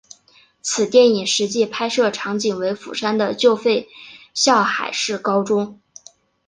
此电影实际拍摄场景为釜山的旧废校海事高中。